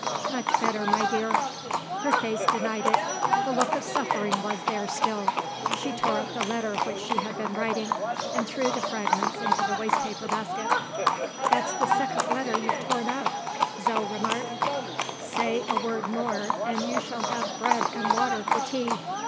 "Much better, my dear." Her face denied it; the look of suffering was there still. She tore up the letter which she had been writing, and threw the fragments into the waste paper basket. "That's the second letter you've torn up," Zo remarked. "Say a word more and you shall have bread and water for tea!"